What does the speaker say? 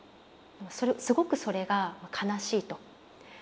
すごくそれが悲しいと。